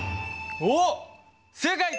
おっ正解！